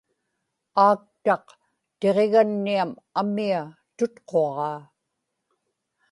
aaktaq tiġiganniam amia tutquġaa